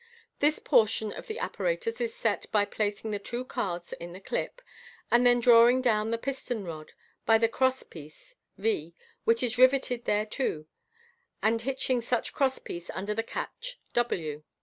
This portion of the appa r itus is set by placing the two cards in the clip, and 1 hen drawing down the piston rod by the cross piece n. which is riveted thereto, and hitching such cross piece under the catch w.